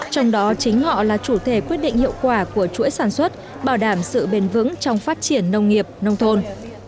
trong đó chính họ là chủ thể quyết định hiệu quả của chuỗi sản xuất bảo đảm sự bền vững trong phát triển nông nghiệp nông thôn